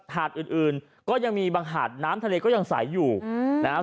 หาดอื่นก็ยังมีบางหาดน้ำทะเลก็ยังใสอยู่นะครับ